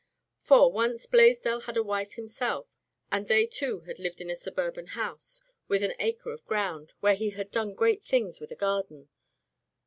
For, once Blaisdell had a wife himself, and they two had lived in a suburban house with an acre of ground, where he had done great things with a garden.